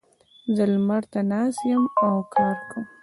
زه لمر ته ناست یم او کار کوم.